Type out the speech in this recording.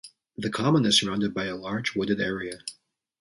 The common is surrounded by a large wooded area.